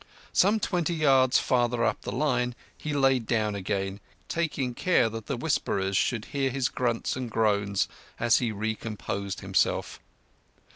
Some twenty yards farther up the line he lay down again, taking care that the whisperers should hear his grunts and groans as he recomposed himself.